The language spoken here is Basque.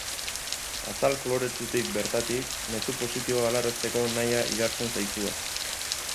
Azal koloretsutik bertatik, mezu positiboa helarazteko nahia igartzen zaizue.